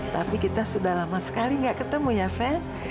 tapi kita sudah lama sekali nggak ketemu ya fen